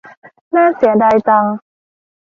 น่าเสียดายจัง